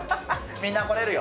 みんな、来れるよ。